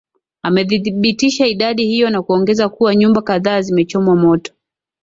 amethibitisha idadi hiyo na kuongeza kuwa nyumba kadhaa zimechomwa moto